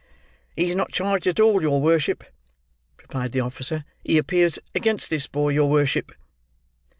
"He's not charged at all, your worship," replied the officer. "He appears against this boy, your worship."